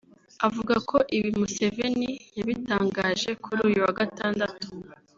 avuga ko ibi Museveni yabitangaje kuri uyu wa Gatandatu